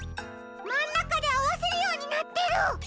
まんなかであわせるようになってる！